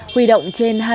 huy động trên phương án